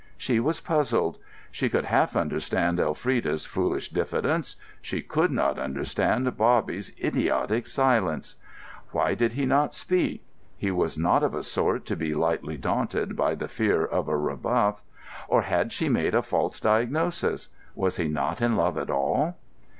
She was puzzled. She could half understand Elfrida's foolish diffidence: she could not understand Bobby's idiotic silence. Why did he not speak? He was not of a sort to be lightly daunted by the fear of a rebuff. Or had she made a false diagnosis? Was he not in love at all?